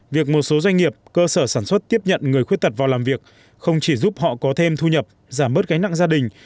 việc một số doanh nghiệp cơ sở sản xuất tiếp nhận người khuyết tật vào làm việc không chỉ giúp họ có thêm thu nhập giảm bớt gánh nặng gia đình